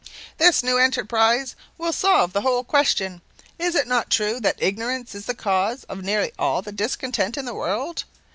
"This new enterprise will solve the whole question. Is it not true that ignorance is the cause of nearly all the discontent in the world?